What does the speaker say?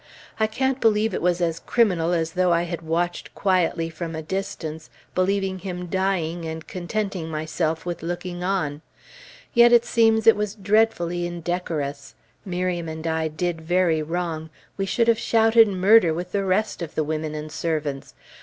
I can't believe it was as criminal as though I had watched quietly from a distance, believing him dying and contenting myself with looking on. Yet it seems it was dreadfully indecorous; Miriam and I did very wrong; we should have shouted murder with the rest of the women and servants.